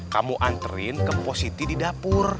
kamu anterin ke positi di dapur